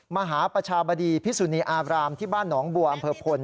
มหาประชาบดีพิสุนีอาบรามที่บ้านหนองบัวอำเภอพล